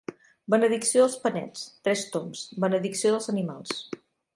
Benedicció dels panets, tres tombs, benedicció dels animals.